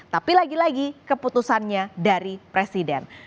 tapi lagi lagi keputusannya dari presiden